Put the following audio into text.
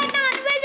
udah gak apa apa